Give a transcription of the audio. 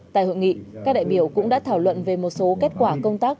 tại hội nghị các đại biểu cũng đã thảo luận về một số kết quả công tác